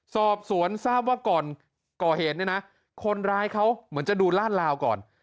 สอบสวนทราบว่าก่อนก่อเหตุเนี่ยนะคนร้ายเขาเหมือนจะดูลาดลาวก่อน